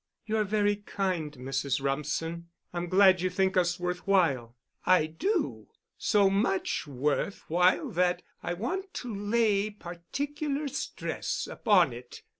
"You're very kind, Mrs. Rumsen. I'm glad you think us worth while." "I do. So much worth while that I want to lay particular stress upon it.